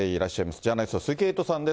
ジャーナリスト、鈴木エイトさんです。